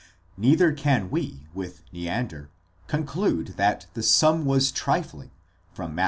Neither can we, with Neander, conclude that the sum was trifling from Matt.